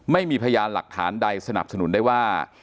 ไม่มีพยานหลักฐานใดสนับสนุนได้ว่า